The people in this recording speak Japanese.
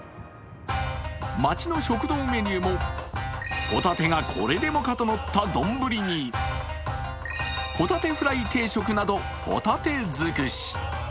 町の食堂メニューもホタテがこれでもかとのった丼にホタテフライ定食などホタテ尽くし。